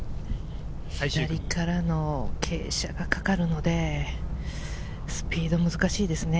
左からの傾斜がかかるので、スピードが難しいですね。